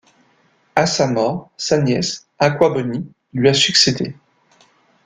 À sa mort, sa nièce Akwa Boni lui a succédé.